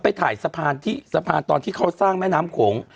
ไปถ่ายสะพานที่สะพานตอนที่เขาสร้างแม่น้ำโขง